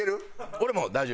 俺も大丈夫。